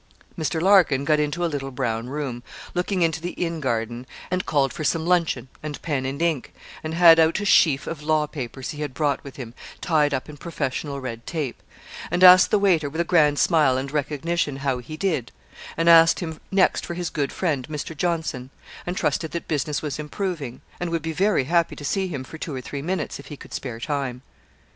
Mr. Larkin got into a little brown room, looking into the inn garden, and called for some luncheon, and pen and ink, and had out a sheaf of law papers he had brought with him, tied up in professional red tape; and asked the waiter, with a grand smile and recognition, how he did; and asked him next for his good friend, Mr. Johnson; and trusted that business was improving; and would be very happy to see him for two or three minutes, if he could spare time.